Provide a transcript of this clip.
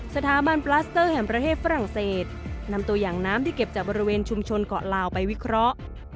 สถาบันปลาสเตอร์แห่งประเทศฝรั่งเศสนำตัวอย่างน้ำที่เก็บจากบริเวณชุมชนเกาะลาวไปวิเคราะห์